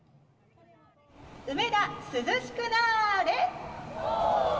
梅田、涼しくなーれ！